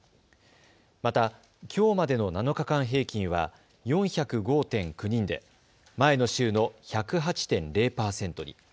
また、きょうまでの７日間平均は４０５．９人で前の週の１０８．０％に。